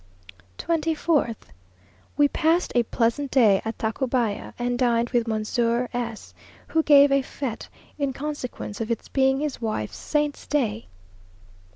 24th. We passed a pleasant day at Tacubaya, and dined with Monsieur S , who gave a fête in consequence of its being his wife's saint's day.